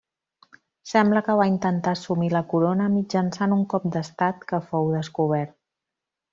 Sembla que va intentar assumir la corona mitjançant un cop d'estat que fou descobert.